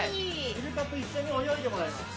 イルカと一緒に泳いでもらいます。